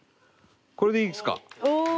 これでいいですか？